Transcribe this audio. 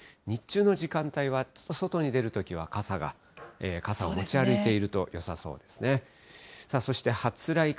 日中の時間帯は、ちょっと外に出るときは、傘を持ち歩いているとよさそうですね。